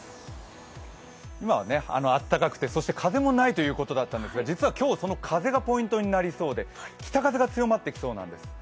今はあったかくて風もないということだったんですが実は今日その風がポイントになりそうで北風が強まってきそうなんです。